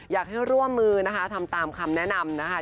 อยากให้ร่วมมือนะคะทำตามคำแนะนำนะคะ